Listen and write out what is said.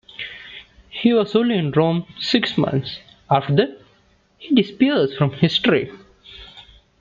He was only in Rome six months; after that he disappears from history.